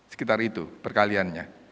sekitar itu perkaliannya